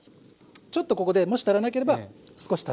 ちょっとここでもし足らなければ少し足す。